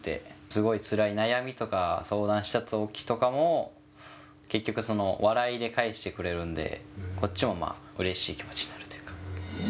すごいつらい悩みとか、相談したときとかも、結局、その笑いで返してくれるんで、こっちもうれしい気持ちになるというか。